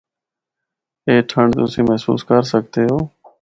اے ٹھنڈ تُسیں محسوس کر سکدے او۔